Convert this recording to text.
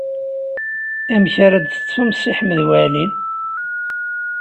Amek ara d-teṭṭfem Si Ḥmed Waɛli?